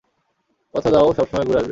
কথা দাও সবসময় ঘুরে আসবে।